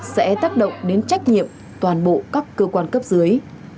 sẽ tác động đến trách nhiệm toàn bộ các cơ quan cấp dưới